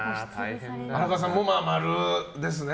荒川さんも○ですね。